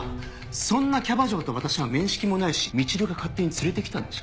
そんなキャバ嬢と私は面識もないしみちるが勝手に連れてきたんでしょ。